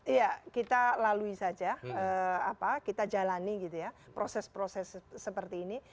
iya kita lalui saja kita jalani gitu ya proses proses seperti ini